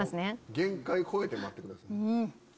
限界超えて待ってください。